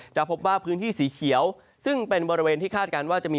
จะพบว่าพื้นที่สีเขียวซึ่งเป็นบริเวณที่คาดการณ์ว่าจะมี